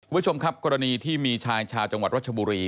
คุณผู้ชมครับกรณีที่มีชายชาวจังหวัดรัชบุรี